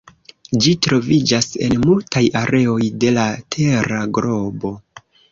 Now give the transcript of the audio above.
Ĝi troviĝas en multaj areoj de la tera globo.